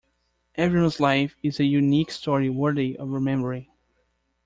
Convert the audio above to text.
Everyone's life is a unique story worthy of remembering.